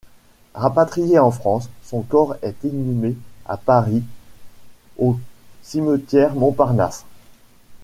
Rapatrié en France, son corps est inhumé à Paris au cimetière Montparnasse.